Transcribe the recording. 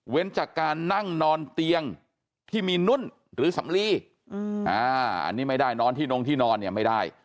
จากการนั่งนอนเตียงที่มีนุ่นหรือสำลีอันนี้ไม่ได้นอนที่นงที่นอนเนี่ยไม่ได้